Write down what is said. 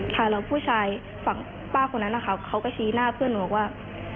ทางผู้ชายฝั่งป้าคนนั้นนะคะเขาก็ชี้หน้าเพื่อนหนูบอกว่า